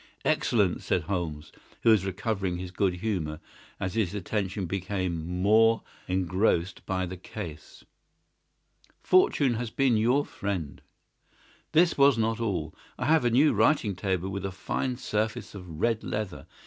"Excellent!" said Holmes, who was recovering his good humour as his attention became more engrossed by the case. "Fortune has been your friend." "This was not all. I have a new writing table with a fine surface of red leather.